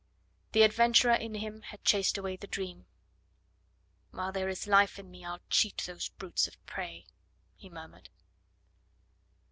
The adventurer in him had chased away the dream. "While there is life in me I'll cheat those brutes of prey," he murmured.